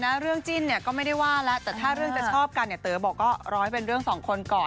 เรื่องจิ้นเนี่ยก็ไม่ได้ว่าแล้วแต่ถ้าเรื่องจะชอบกันเนี่ยเต๋อบอกก็รอให้เป็นเรื่องสองคนก่อน